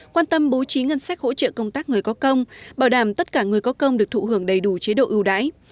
quan tâm bố trí ngân sách hỗ trợ công tác người có công bảo đảm tất cả người có công được thụ hưởng đầy đủ chế độ ưu đãi